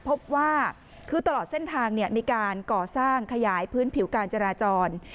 พบว่าคือตลอดเส้นทางมีการก่อสร้างขยายพื้นผิวการจราจร